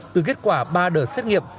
từ kết quả ba đợt xét nghiệm